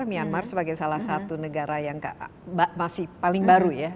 myanmar sebagai salah satu negara yang masih paling baru ya